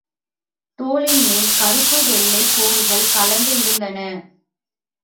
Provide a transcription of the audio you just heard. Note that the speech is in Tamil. தோலின் மேல் கறுப்பு வெள்ளைக் கோடுகள் கலந்து இருந்தன.